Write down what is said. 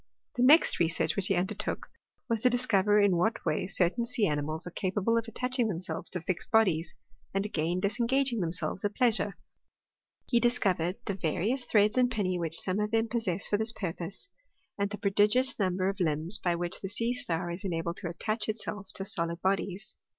The next research which he undertook, was to dis cover in what way certain sea animals are capable of attaching themselves to fixed bodies, and again disengaging themselves at pleasure. He discovered the various threads and pinnee which some of them possess for this purpose, and the prodigious number of limbs by which the sea star is enabled to attach itself to solid bodies.